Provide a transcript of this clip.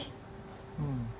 menjadi seorang presiden